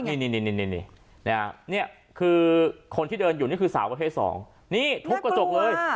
นี่นี่นี่นี่นี่คือคนที่เดินอยู่นี่คือสาวประเภทสองนี่ทุบกระจกเลย